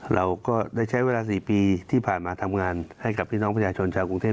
เราก็ได้ใช้เวลา๔ปีที่ผ่านมาทำงานให้กับพี่น้องประชาชนชาวกรุงเทพ